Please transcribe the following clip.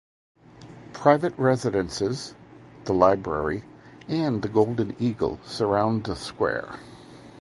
Private residences, the library, and the Golden Eagle surround the square.